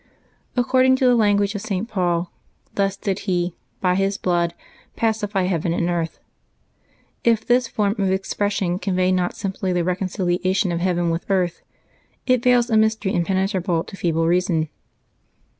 According to the language of St. Paul, thus did He, by His blood, pacify heaven and earth. If this form of ex pression convey not simply the reconciliation of heaven with the earth, it veils a mystery impenetrable to feeble reason.